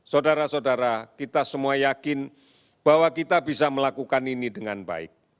saudara saudara kita semua yakin bahwa kita bisa melakukan ini dengan baik